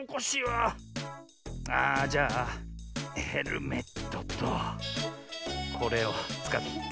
ああじゃあヘルメットとこれをつかって。